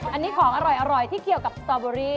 อันนี้ของอร่อยที่เกี่ยวกับสตอเบอรี่